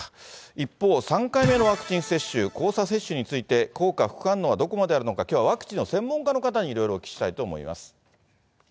一方、３回目のワクチン接種、交差接種について、効果、副反応はどこまであるのか、きょうはワクチンの専門家の方にいろいろお聞きしたいと思います。